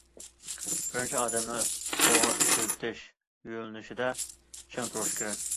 بىرىنچى، ئادەمنى توغرا ئىشلىتىش يۆنىلىشىدە چىڭ تۇرۇش كېرەك.